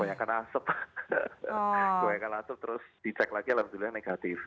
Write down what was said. kayak kebanyakan asep terus di check lagi alhamdulillah negatif